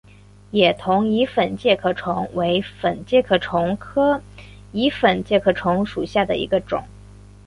野桐蚁粉介壳虫为粉介壳虫科蚁粉介壳虫属下的一个种。